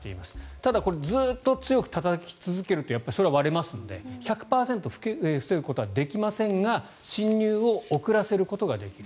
ただ、ずっと強くたたき続けるとそれは割れますので１００％防ぐことはできませんが侵入を遅らせることができる。